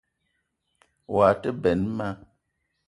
Woua te benn ma